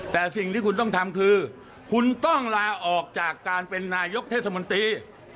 แต่สิ่งที่คุณต้องทำคือคุณต้องลาออกจากการเป็นนายกเทศมนตรี